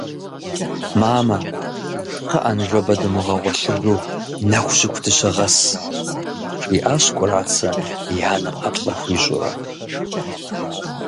«Мамэ, кхъыӏэ, ныжэбэ дымыгъуэлъыжу, нэху щыху дыщыгъэс» жиӏащ Кӏурацэ и анэм ӏэплӏэ хуищӏурэ.